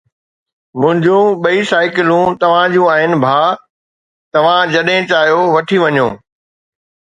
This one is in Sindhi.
منهنجون ٻئي سائيڪلون توهان جون آهن ڀاءُ، توهان جڏهن چاهيو وٺي وڃو